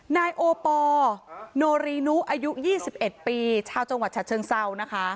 นายโอปอร์โนรินุอายุยี่สิบเอ็ดปีชาวจังหวัดชาวเชิงเศร้านะคะ